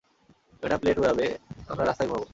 Madam plane উড়াবে, আমরা রাস্তায় ঘুমাব।